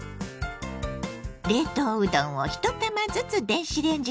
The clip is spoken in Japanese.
冷凍うどんを１玉ずつ電子レンジで解凍します。